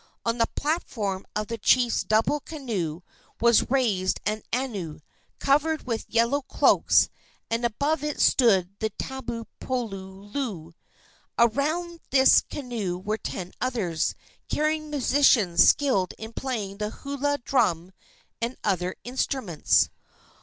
On the platform of the chief's double canoe was raised an anu, covered with yellow cloaks, and above it stood the tabu puloulou. Around this canoe were ten others, carrying musicians skilled in playing the hula drum and other instruments.